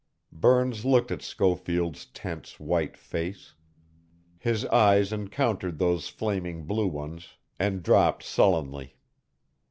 Burns looked at Schofield's tense white face. His eyes encountered those flaming blue ones and dropped sullenly.